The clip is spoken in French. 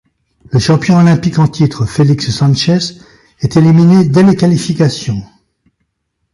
Le champion olympique en titre Felix Sánchez est éliminé dès les qualifications.